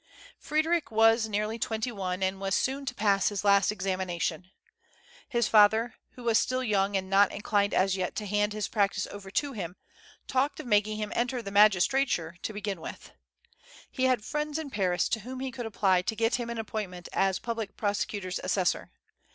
Frederic was nearly twenty one, and was soon to pa.ss his last examination. His father, who was still young and not inclined as yet to hand his practice over to him, talked of making him enter the magistrature to begin with. He had friends in Paris to whom he could apply to get him an appointment as public prosecutor's assessor.